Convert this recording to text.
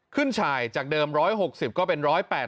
ฉ่ายจากเดิม๑๖๐ก็เป็น๑๘๐